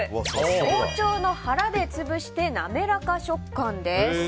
包丁の腹でつぶしてなめらかな食感です。